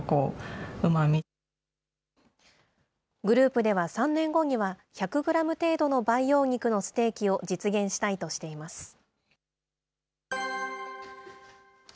グループでは、３年後には１００グラム程度の培養肉のステーキを実現したいとしています。